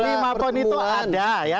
lima poin itu ada